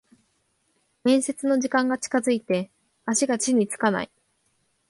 面接の時間が近づいて足が地につかない